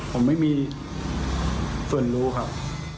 ผมไม่มีส่วนรู้ครับ